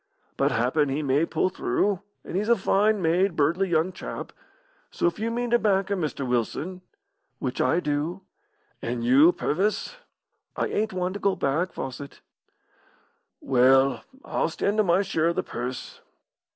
"But happen he may pull through, and he's a fine made, buirdly young chap, so if you mean to back him, Mr. Wilson "Which I do." "And you, Purvis?" "I ain't one to go back, Fawcett." "Well, I'll stan' to my share of the purse."